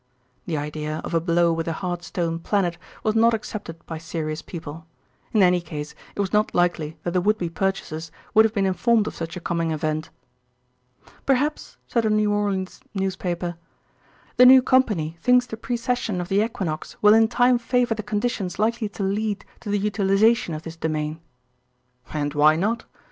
The idea of a blow with a hard stone planet was not accepted by serious people. In any case it was not likely that the would be purchasers would have been informed of such a coming event. "Perhaps," said a New Orleans newspaper, "the new Company thinks the precession of the equinox will in time favor the conditions likely to lead to the utilization of this domain." "And why not?